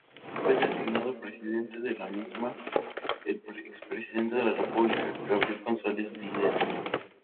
Fue designado Presidente de la misma el expresidente de la República, Gabriel González Videla.